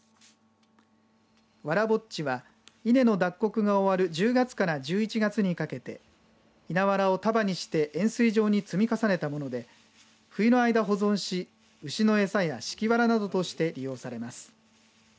わらぼっちは、稲の脱穀が終わる１０月から１１月にかけて稲わらを束にして円すい状に積み重ねたもので冬の間、保存し、牛のえさや敷きわらなどとして利用されます。